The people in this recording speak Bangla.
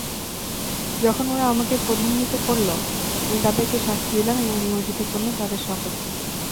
যখন ওরা আমাকে ক্রোধান্বিত করল আমি তাদেরকে শাস্তি দিলাম এবং নিমজ্জিত করলাম তাদের সকলকে।